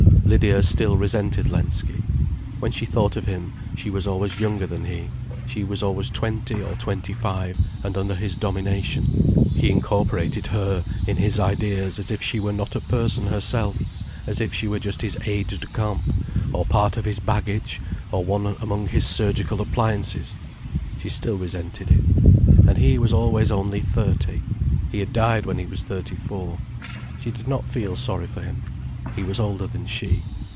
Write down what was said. Lydia still resented Lensky. When she thought of him, she was always younger than he, she was always twenty, or twenty five, and under his domination. He incorporated her in his ideas as if she were not a person herself, as if she were just his aide de camp, or part of his baggage, or one among his surgical appliances. She still resented it. And he was always only thirty: he had died when he was thirty four. She did not feel sorry for him. He was older than she.